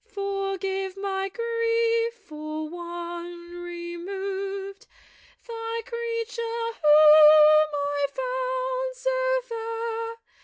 Forgive my grief for one removed, Thy creature, whom I found so fair.